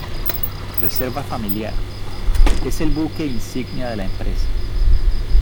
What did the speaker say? Reserva Familiar: Es el buque insignia de la empresa.